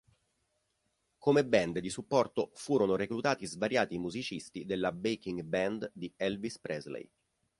Come band di supporto furono reclutati svariati musicisti della backing band di Elvis Presley.